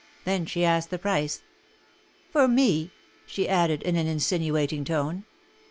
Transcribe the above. Then she asked the price. ''For me?" she added, in an insinuating tone.